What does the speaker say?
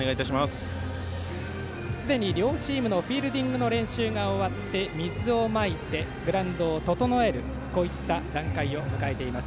すでに両チームのフィールディングの練習が終わり水をまいて、グラウンドを整えるこういった段階を迎えています。